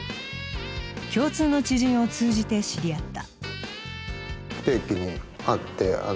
共通の知人を通じて知り合った。